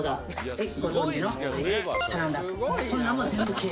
はい。